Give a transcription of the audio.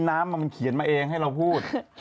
น้ำมันเขียนมาเองให้เราพูด